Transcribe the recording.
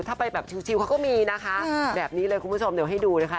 ถ้าไปแบบชิวเขาก็มีนะคะแบบนี้เลยคุณผู้ชมเดี๋ยวให้ดูนะคะ